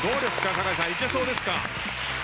酒井さんいけそうですか？